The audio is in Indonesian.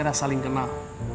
kita segera saling kenal